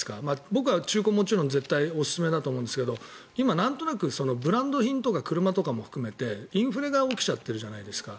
僕は中古、もちろん絶対におすすめだと思うんですが今、なんとなくブランド品とか車も含めてインフレが起きちゃってるじゃないですか。